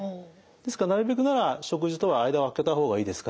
ですからなるべくなら食事とは間をあけた方がいいですから。